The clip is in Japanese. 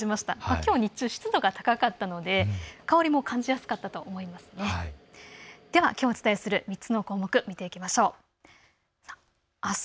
きょうは日中は湿度が高かったので香りも感じやすかったと思います。